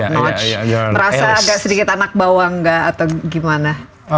merasa agak sedikit anak bawah gak atau gimana